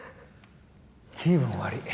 気分悪ぃ。